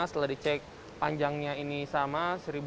setelah dicek panjangnya ini sama